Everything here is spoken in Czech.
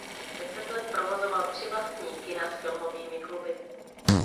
Deset let provozoval tři vlastní kina s filmovými kluby.